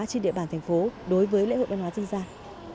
trên địa bàn thành phố đối với lễ hội văn hóa dân gian